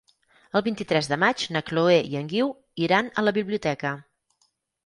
El vint-i-tres de maig na Chloé i en Guiu iran a la biblioteca.